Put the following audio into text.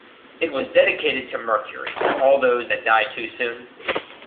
It was dedicated to Mercury and all those that die too soon.